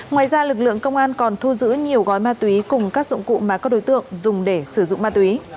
ngoài ra lực lượng công an còn thu giữ nhiều gói ma túy cùng các dụng cụ mà các đối tượng dùng để sử dụng ma túy